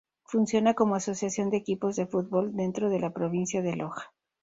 Funciona como asociación de equipos de fútbol dentro de la Provincia de Loja.